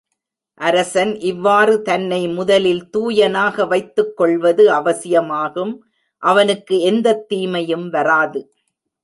அரசன் இவ்வாறு தன்னை முதலில் தூயனாக வைத்துக்கொள்வது அவசியமாகும் அவனுக்கு எந்தத் தீமையும் வாராது.